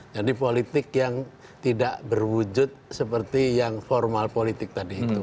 jadi politik yang tidak berwujud seperti yang formal politik tadi itu